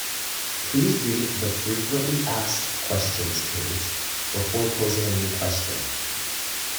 Please read the frequently asked questions page before posing a new question.